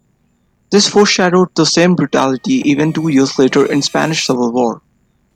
This foreshadowed the same brutality seen two years later in the Spanish Civil War.